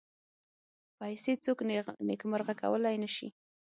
پیسې څوک نېکمرغه کولای نه شي.